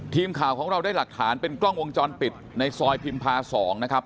ทีมข่าวของเราได้หลักฐานเป็นกล้องวงจรปิดในซอยพิมพา๒นะครับ